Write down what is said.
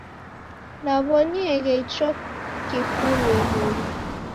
Naw'onieghe icho kikulughulu.